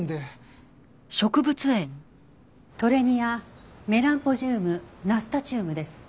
トレニアメランポジュームナスタチュームです。